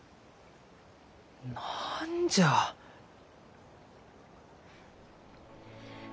何じゃあ。